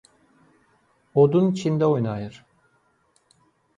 Odun içində oynayır.